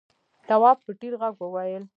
تواب په ټيټ غږ وويل: